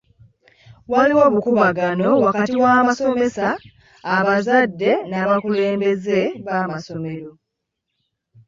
Waliwo obukuubagano wakati w'abasomesa, abazadde n'abakulembeze b'amasomero.